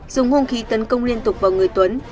dùng hung khí tấn công liên tục vào người tuấn